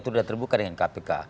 sudah terbuka dengan kpk